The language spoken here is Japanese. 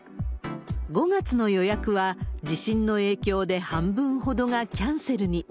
５月の予約は地震の影響で半分ほどがキャンセルに。